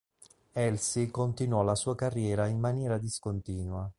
Elsie continuò la sua carriera in maniera discontinua.